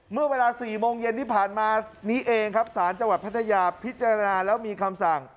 เมื่อเวลา๔โมงเย็นที่ผ่านมานี้เองครับสารจังหวัดพัทยาพิจารณาแล้วมีคำสั่ง